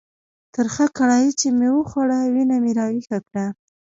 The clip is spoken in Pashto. ترخه کړایي چې مې وخوړه، وینه مې را ویښه کړه.